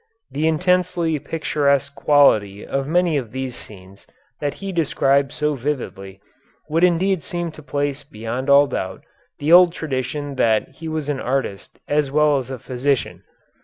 The intensely picturesque quality of many of these scenes that he describes so vividly would indeed seem to place beyond all doubt the old tradition that he was an artist as well as a physician.